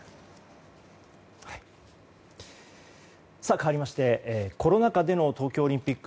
かわりましてコロナ禍での東京オリンピック